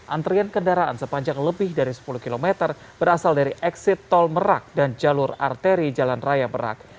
antrian kendaraan sepanjang lebih dari sepuluh km berasal dari exit tol merak dan jalur arteri jalan raya merak